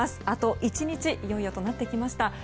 あと１日いよいよとなってきました。